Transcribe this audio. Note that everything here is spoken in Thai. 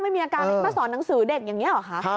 ไม่มีอาการมาสอนหนังสือเด็กอย่างนี้หรอคะ